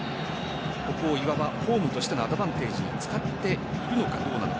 ここをいわばホームとしてのアドバンテージに使っているのかどうなのか。